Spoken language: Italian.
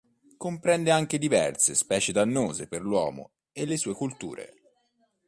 Comprende anche diverse specie dannose per l'uomo e le sue colture.